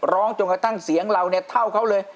จนกระทั่งเสียงเราเนี่ยเท่าเขาเลย